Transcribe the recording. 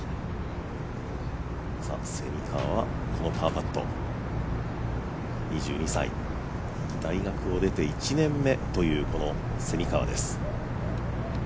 蝉川はこのパーパット２２歳、大学を出て１年目というこの蝉川です。